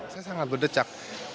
saya sangat berdecak